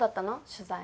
取材。